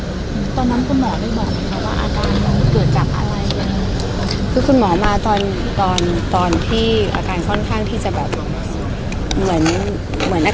ภาษาสนิทยาลัยสุดท้าย